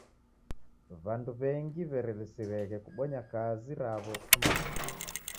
W'andu w'engi w'erelisireghe kubonya kazi raw'o kufuma mzinyi.